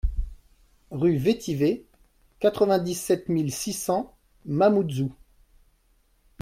RUE VETIVER, quatre-vingt-dix-sept mille six cents Mamoudzou